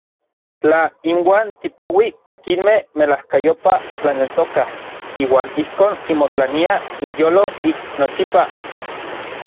Tla inuan tipouij akinmej melajkayopaj tlaneltokaj iuan ijkon kimotlaniaj inyolo ik nochipa.